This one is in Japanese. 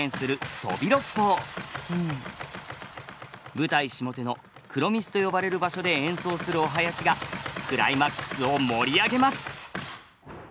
舞台下手の黒御簾と呼ばれる場所で演奏するお囃子がクライマックスを盛り上げます。